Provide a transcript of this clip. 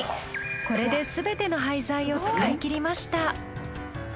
これですべての廃材を使い切りました。